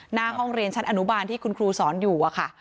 หน้าห้องเรียนชั้นอนุบาลที่คุณครูสอนอยู่อะค่ะ